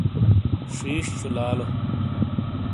شیش شولالو